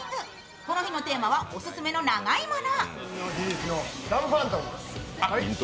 この日のテーマは「オススメの長いもの」。